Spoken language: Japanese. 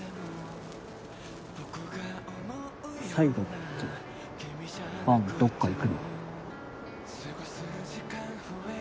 「最後」って伴どっか行くの？